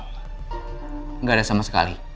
tidak ada sama sekali